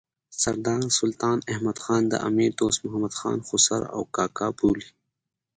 سردار سلطان احمد خان د امیر دوست محمد خان خسر او کاکا بولي.